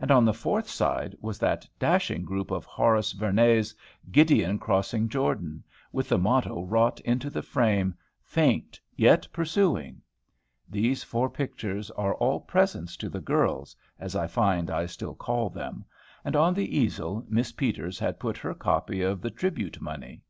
And, on the fourth side, was that dashing group of Horace Vernet's, "Gideon crossing Jordan," with the motto wrought into the frame, "Faint, yet pursuing." These four pictures are all presents to the "girls," as I find I still call them; and, on the easel, Miss Peters had put her copy of "The Tribute Money."